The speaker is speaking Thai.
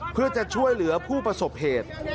เพื่อจะช่วยเหลือผู้ประสบเหตุ